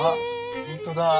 本当だ。